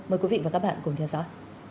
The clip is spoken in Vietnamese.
mời quý vị và các bạn cùng theo dõi